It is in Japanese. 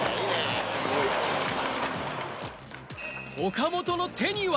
岡本の手には。